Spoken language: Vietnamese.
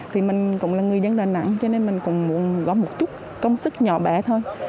thì mình cũng là người dân đà nẵng cho nên mình cũng muốn góp một chút công sức nhỏ bé thôi